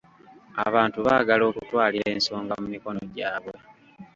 Abantu baagala okutwalira ensonga mu mikono gyabwe.